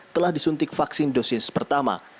telah disuntik vaksin dosis pertama